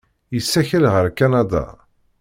Yessakel ɣer Kanada.